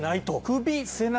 首背中